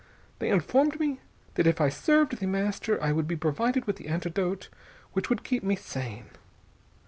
They informed me that if I served The Master I would be provided with the antidote which would keep me sane.